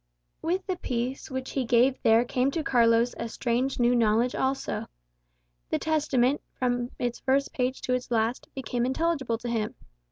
With the peace which he gave there came to Carlos a strange new knowledge also. The Testament, from its first page to its last, became intelligible to him.